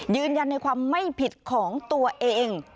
ยืนยันในความไม่ผิดของตัวเอง